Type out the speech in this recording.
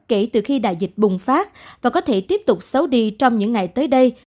kể từ khi đại dịch bùng phát và có thể tiếp tục xấu đi trong những ngày tới đây